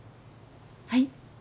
はい？